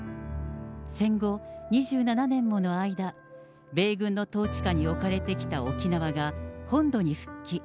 戦後２７年もの間、米軍の統治下に置かれてきた沖縄が、本土に復帰。